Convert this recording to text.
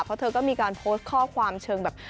เพราะเธอก็มีการโพสต์ข้อความเชิงแบบ